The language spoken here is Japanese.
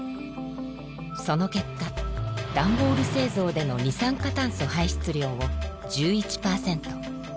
その結果段ボール製造での二酸化炭素排出量を１１％